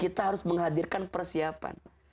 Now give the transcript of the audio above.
kita harus menghadirkan persiapan